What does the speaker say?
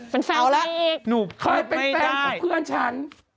เป็นแฟนไม่ได้หนูไม่ได้เอาละค่อยเป็นแฟนของเพื่อนฉัน